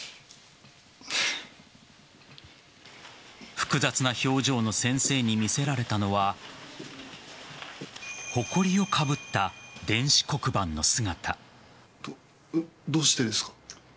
複雑な表情の先生に見せられたのはほこりをかぶった電子黒板の姿。